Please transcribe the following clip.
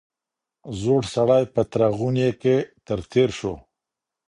زوړ سړی په تره غونې کي تر تېر سو